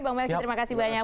bang melki terima kasih banyak